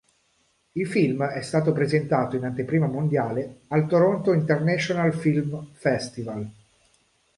Il film è stato presentato in anteprima mondiale al Toronto International Film Festival.